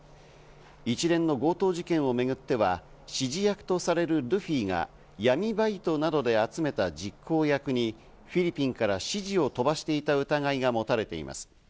一連の強盗事件をめぐっては指示役とされるルフィが闇バイトなどで集めた実行役にフィリピンから指示を飛ばしていた疑いが持たれています。